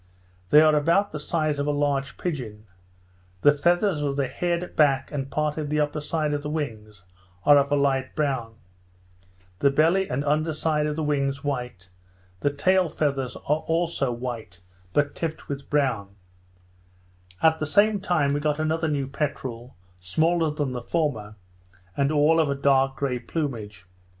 They are about the size of a large pigeon; the feathers of the head, back, and part of the upper side of the wings, are of a light brown; the belly, and under side of the wings white, the tail feathers are also white, but tipped with brown; at the same time, we got another new peterel, smaller than the former, and all of a dark grey plumage.